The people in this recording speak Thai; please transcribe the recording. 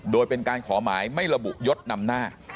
โดยเป็นการขอหมายไม่ระบุยศนำหน้า